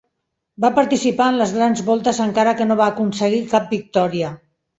Va participar en les grans voltes encara que no va aconseguir cap victòria.